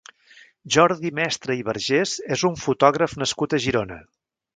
Jordi Mestre i Vergés és un fotògraf nascut a Girona.